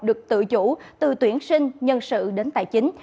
được tự chủ từ tuyển sinh nhân sự đến tài chính